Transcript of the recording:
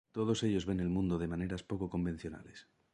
Todos ellos ven el mundo de maneras poco convencionales.